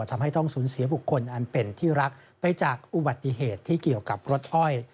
ทำให้ต้องสูญเสียบุคคลอันเป็นที่รักไปจากอุบัติเหตุที่เกี่ยวกับรถอ้อย